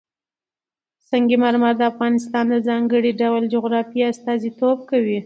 سنگ مرمر د افغانستان د ځانګړي ډول جغرافیه استازیتوب کوي.